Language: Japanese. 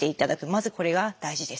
まずこれが大事です。